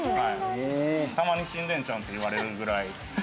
たまに死んでるんちゃう？って言われるぐらい。